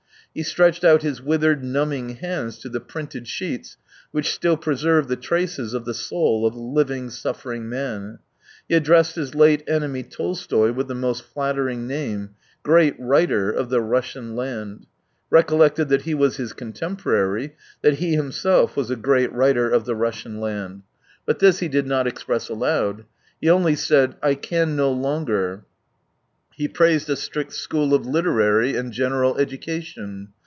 He stretched out his withered, numbing hands to the printed sheets which still preserve the traces of the soul of a living, suffering man. He addressed his late enemy Tolstoy with the most flattering name :" Great writer of the Russian land "; recollected that he was his contemporary, that he himself was a great writer of the Russian land. But this he 140 did not express aloud. He only said, " I can no longer " He praised a strict school of literary and general education.